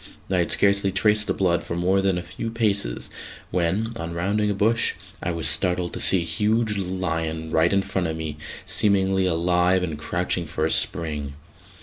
I had scarcely traced the blood for more than a few paces when, on rounding a bush, I was startled to see a huge lion right in front of me, seemingly alive and crouching for a spring.